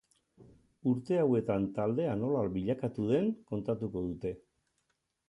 Urte hauetan taldea nola bilakatu den kontatuko dute.